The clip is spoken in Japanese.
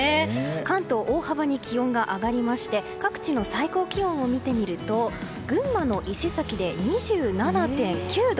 関東、大幅に気温が上がりまして各地の最高気温を見てみると群馬の伊勢崎で２７．９度。